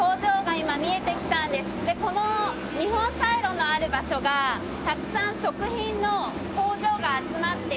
この日本サイロのある場所がたくさん食品の工場が集まっていて。